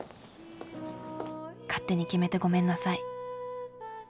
勝手に決めてごめんなさい。